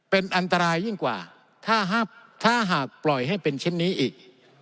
เป็นอันตรายยิ่งกว่าถ้าหากปล่อยให้เป็นเช่นนี้อีก